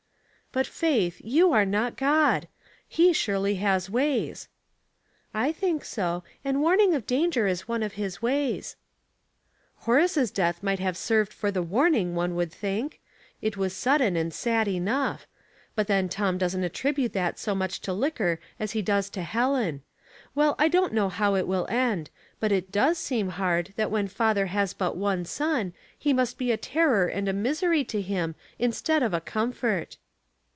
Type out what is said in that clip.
'' But, Faith, you are not God. He surely has ways." " I think so, and warning of danger is one of his ways." " Horace's death might have served for the warning one would think. It was sudden and sad enough ; but then Tom doesn't attribute that so much to liquor as he does to Helen. Well, I don't know how it will end; but it does seem hard that when father has but one son he must be a terror and a misery to him instead of a comfort."